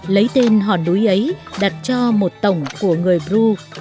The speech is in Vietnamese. lấy tên hòn núi ấy đặt cho một tổng của người bru